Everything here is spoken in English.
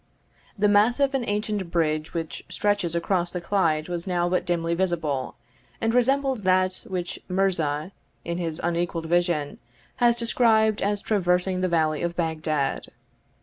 The massive and ancient bridge which stretches across the Clyde was now but dimly visible, and resembled that which Mirza, in his unequalled vision, has described as traversing the valley of Bagdad.